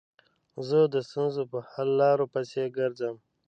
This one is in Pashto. زه د ستونزو په حل لارو پيسي ګرځم.